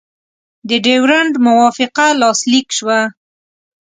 د ډیورنډ موافقه لاسلیک شوه.